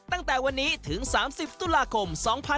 ตั้งแต่วันนี้ถึง๓๐ตุลาคม๒๕๖๒